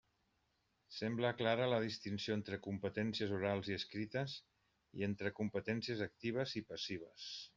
Sembla clara la distinció entre competències orals i escrites i entre competències actives i passives.